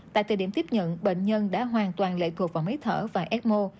từ thời điểm tiếp nhận bệnh nhân đã hoàn toàn lệ thuộc vào máy thở và ecmo